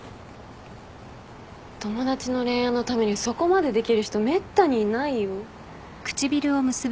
友達の恋愛のためにそこまでできる人めったにいないよ。